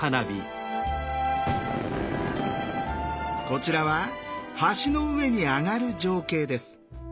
こちらは橋の上に上がる情景です。